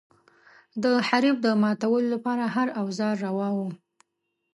د حریف د ماتولو لپاره هر اوزار روا و.